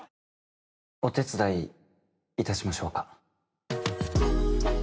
お手伝いいたしましょうか？